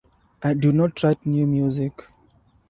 I do not write new music.